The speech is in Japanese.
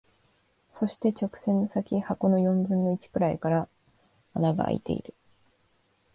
そして、直線の先、箱の四分の一くらいから穴が空いている。